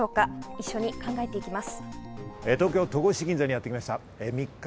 一緒に考えていきます。